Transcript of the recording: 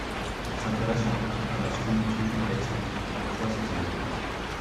Il s'intéresse en outre à la sculpture et a exposé plusieurs fois ses œuvres.